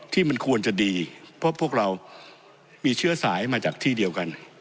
ที่มันควรจะดีเพราะพวกเรามีเชื้อสายมาจากที่เดียวกัน